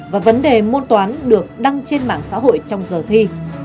và vấn đề môn toán được đăng trên mạng xã hội trong giờ thi